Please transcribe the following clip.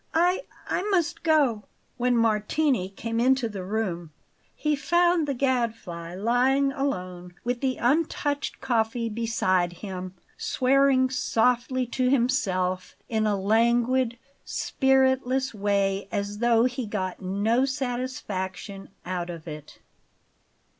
I I must go!" When Martini came into the room he found the Gadfly lying alone with the untouched coffee beside him, swearing softly to himself in a languid, spiritless way, as though he got no satisfaction out of it.